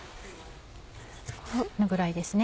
このぐらいですね。